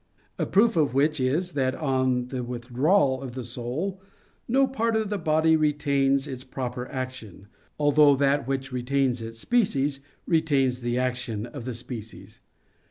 A proof of which is, that on the withdrawal of the soul, no part of the body retains its proper action; although that which retains its species, retains the action of the species.